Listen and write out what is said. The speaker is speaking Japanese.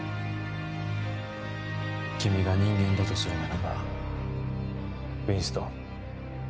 君が人間だとするならばウィンストン最後の人間だ。